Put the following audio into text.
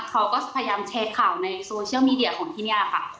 เขาก็พยายามแชร์ข่าวในโซเชียลมีเดียของที่นี่ค่ะ